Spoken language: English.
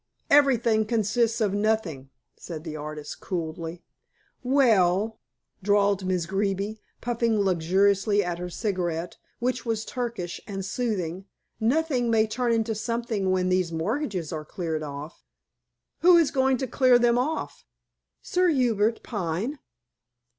"Everything consists of nothing," said the artist coolly. "Well," drawled Miss Greeby, puffing luxuriously at her cigarette, which was Turkish and soothing, "nothing may turn into something when these mortgages are cleared off." "Who is going to clear them off?" "Sir Hubert Pine."